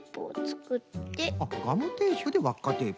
あっガムテープでわっかテープ。